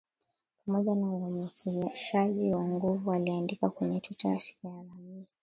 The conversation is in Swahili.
pamoja na uhamasishaji wa nguvu aliandika kwenye Twita siku ya Alhamisi